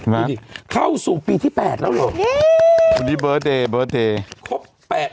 นี่ดิเข้าสู่ปีที่แปดแล้วหรองี้เบอร์เตยเบอร์เตยครบแปด